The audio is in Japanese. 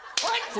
はい！